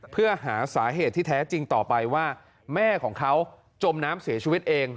เพื่อหาสาเหตุที่แท้จริงต่อไปว่าแม่ของเขาจมน้ำเสียชีวิตเอง